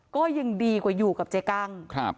ก็ยังดีกว่าอยู่กับเจ๊กั้ง